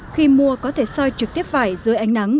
khi mua có thể soi trực tiếp vải dưới ánh nắng